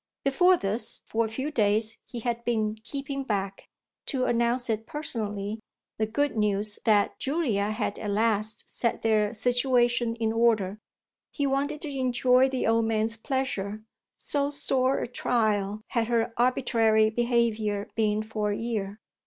Before this, for a few days, he had been keeping back, to announce it personally, the good news that Julia had at last set their situation in order: he wanted to enjoy the old man's pleasure so sore a trial had her arbitrary behaviour been for a year.